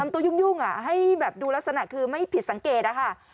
ตัวยุ่งให้แบบดูลักษณะคือไม่ผิดสังเกตนะคะ